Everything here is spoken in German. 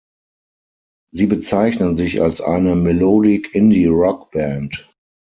Sie bezeichnen sich als eine "Melodic-Indie-Rock"-Band.